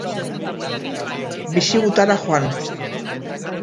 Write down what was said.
Bisigutara joan.